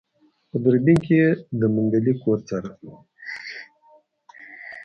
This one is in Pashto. په دوربين کې يې د منګلي کور څاره.